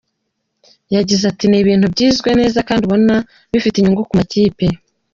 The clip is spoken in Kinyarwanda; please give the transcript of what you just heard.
Yagize ati “Ni ibintu byizwe neza kandi ubona bifite inyungu ku makipe.